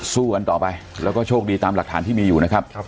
สู้กันต่อไปแล้วก็โชคดีตามหลักฐานที่มีอยู่นะครับ